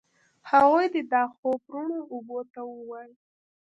هغوی دي دا خوب روڼو اوبو ته ووایي